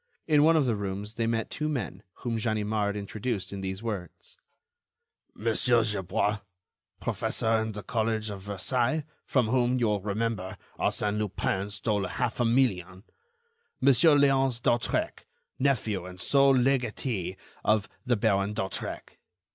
In one of the rooms, they met two men, whom Ganimard introduced in these words: "Monsieur Gerbois, professor in the College of Versailles, from whom, you will remember, Arsène Lupin stole half a million; Monsieur Léonce d'Hautrec, nephew and sole legatee of the Baron d'Hautrec."